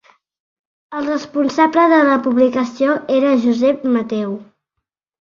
El responsable de la publicació era Josep Mateu.